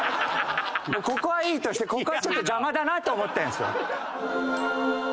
ここはいいとしてここはちょっと邪魔だなと思ってる。